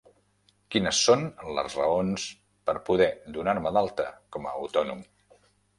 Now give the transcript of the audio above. Quines són les raons per poder donar-me d'alta com a autònom?